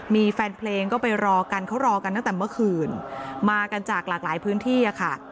มีแฟนเพลงก็ไปรอกันเขารอกันตั้งแต่เมื่อคืนมากันจากหลากหลายพื้นที่อะค่ะ